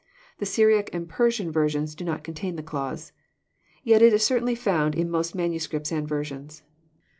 The Syriac and Persian ver sions do not contain the clause. Yet it certainly is found la most manuscripts and versions.